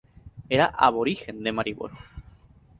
Era aborigen de Maribor.